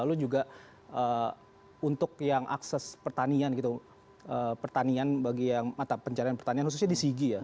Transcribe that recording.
lalu juga untuk yang akses pertanian gitu pertanian bagi yang mata pencarian pertanian khususnya di sigi ya